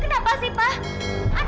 kenapa sih pak